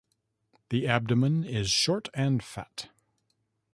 The abdomen is short and fat.